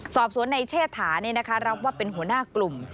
สอบสวนในเชษฐาเนี่ยนะคะรับว่าเป็นหัวหน้ากลุ่ม